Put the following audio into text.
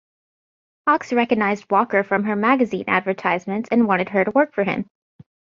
Hawks recognized Walker from her magazine advertisements and wanted her to work for him.